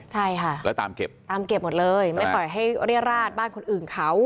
ใช่ค่ะแล้วตามเก็บตามเก็บหมดเลยไม่ปล่อยให้เรียดราดบ้านคนอื่นเขา